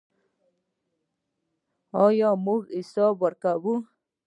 آیا موږ حساب ورکوو؟